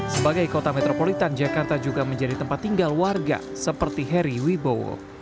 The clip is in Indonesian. sebagai kota metropolitan jakarta juga menjadi tempat tinggal warga seperti heri wibowo